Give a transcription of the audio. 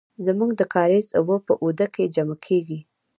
زمونږ د کاریز اوبه په آوده کې جمع کیږي.